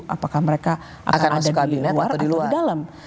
apakah mereka akan ada di luar atau di dalam